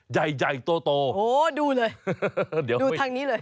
ใหญ่โตโหดูเลยดูทางนี้เลย